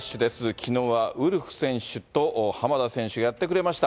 きのうはウルフ選手と浜田選手、やってくれました。